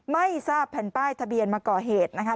ไม่ทราบแผ่นป้ายทะเบียนมาก่อเหตุนะคะ